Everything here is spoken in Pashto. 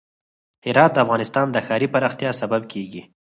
هرات د افغانستان د ښاري پراختیا سبب کېږي.